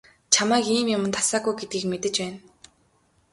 Чамайг ийм юманд дасаагүй гэдгийг мэдэж байна.